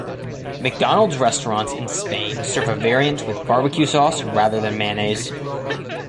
McDonald's restaurants in Spain serve a variant with barbecue sauce rather than mayonnaise.